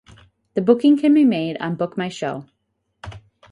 The booking can be made on bookmyshow.